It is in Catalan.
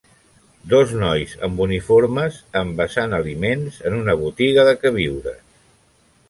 Dos nois amb uniformes envasant aliments en una botiga de queviures.